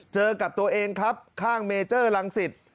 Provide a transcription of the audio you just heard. เจอกับตัวเองครับข้างเมเจอร์รังสิต